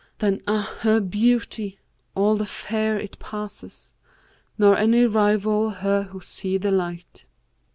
Then, ah, her beauty! all the fair it passes; * Nor any rival her who see the light.'